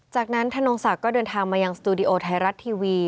จากนั้นธนงศักดิ์ก็เดินทางมายังสตูดิโอไทยรัฐทีวี